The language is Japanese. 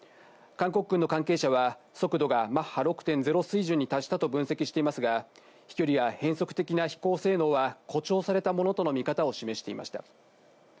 韓国軍の関係者は速度がマッハ６．０水準に達したと分析していますが飛距離や変則的な飛行性能は誇張されたものとの見方を示していました。